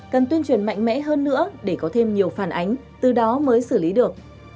cần tuyên truyền mạnh mẽ hơn nữa để có thêm nhiều phản ánh từ đó mới xử lý được